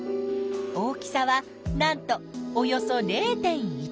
大きさはなんとおよそ０．１ｍｍだよ！